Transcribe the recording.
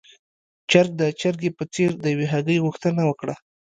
چرګ د چرګې په څېر د يوې هګۍ غوښتنه وکړه.